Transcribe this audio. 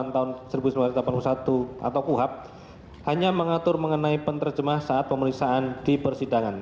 tahun seribu sembilan ratus delapan puluh satu atau kuhab hanya mengatur mengenai penerjemah saat pemeriksaan di persidangan